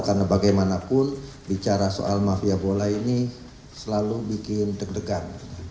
karena bagaimanapun bicara soal mafia bola ini selalu bikin deg degan